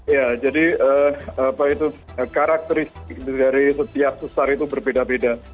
ya jadi apa itu karakteristik dari setiap susar itu berbeda beda